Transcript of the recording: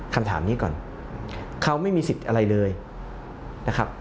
คำถามนี้ก่อนเขาไม่มีสิทธิ์อะไรเลยนะครับ